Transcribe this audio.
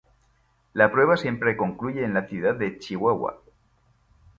La prueba siempre concluye en la ciudad de Chihuahua.